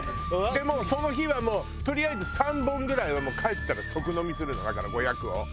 でもうその日はとりあえず３本ぐらいはもう帰ったら即飲みするのだから５００を。